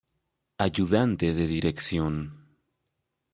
Ayudante de dirección.